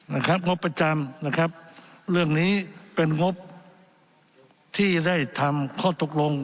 งบประจำนะครับเรื่องนี้เป็นงบที่ได้ทำข้อตกลง